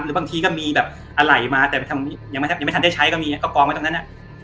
บางทีก็มีแบบอะไรมาแต่ยังไม่ทันได้ใช้ก็มีก็กองไว้ตรงนั้น